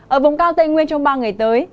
ở vùng cao tây nguyên trong ba ngày tới